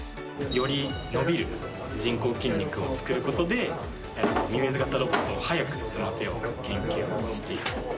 より伸びる人工筋肉を作ることで、ミミズ型ロボットを速く進ませようという研究をしています。